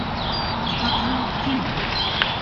Sfaqent-t-id.